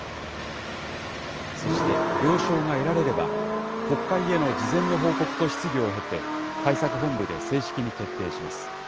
そして、了承が得られれば、国会への事前の報告と質疑を経て、対策本部で正式に決定します。